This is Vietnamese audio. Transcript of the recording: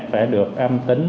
phải được âm tính